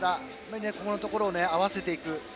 そこのところを合わせていく。